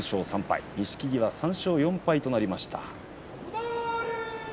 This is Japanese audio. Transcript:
錦木は３勝４敗となりました。